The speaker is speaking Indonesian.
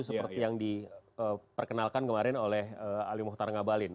seperti yang diperkenalkan kemarin oleh ali muhtar ngabalin